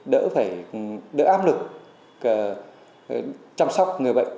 đỡ phải đỡ áp lực